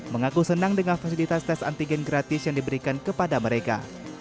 mengaku senang dengan fasilitas tes antigen gratis yang diberikan kepada mereka